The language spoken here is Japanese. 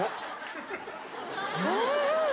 うん！